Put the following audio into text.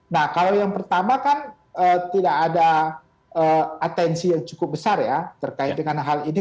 nah kalau yang pertama kan tidak ada atensi yang cukup besar ya terkait dengan hal ini